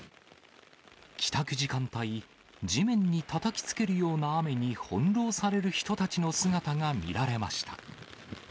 帰宅時間帯、地面にたたきつけるような雨に翻弄される人たちの姿が見られました。